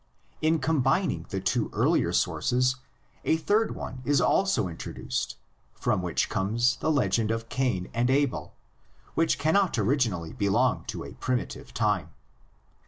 In combining the two earlier sources a third one was also introduced, from which comes the legend of Cain and Abel, which cannot originally belong to a primitive time.